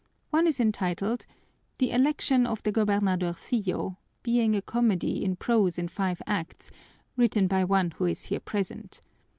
One is entitled 'The Election of the Gobernadorcillo,' being a comedy in prose in five acts, written by one who is here present.